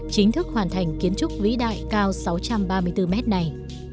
chính thức hoàn thành kiến trúc vĩ đại cao sáu trăm ba mươi bốn mét này